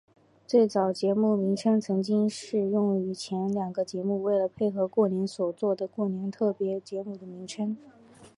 最早节目名称曾经是用前两个节目为了配合过年所做的过年特别节目的名称。